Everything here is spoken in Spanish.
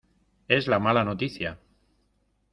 es la mala noticia.